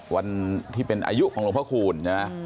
วันที่เป็นอายุของหลวงพระคูณใช่ไหม